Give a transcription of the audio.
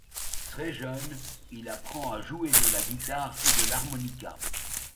Très jeune, il apprend à jouer de la guitare et de l'harmonica.